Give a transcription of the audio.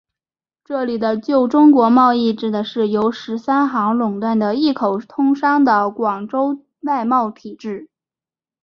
这里的旧中国贸易指的是由十三行垄断的一口通商的广州外贸体制。